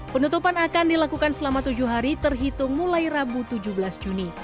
penutupan akan dilakukan selama tujuh hari terhitung mulai rabu tujuh belas juni